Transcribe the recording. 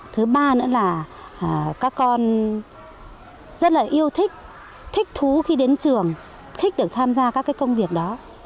thứ ba nữa là các con rất là yêu thích thích thú khi đến trường thích được tham gia các công việc đó